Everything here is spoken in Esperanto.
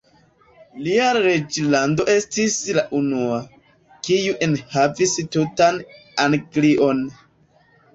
Lia reĝlando estis la unua, kiu enhavis tutan Anglion.